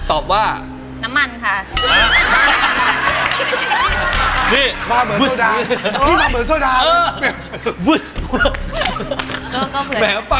ตอบว่า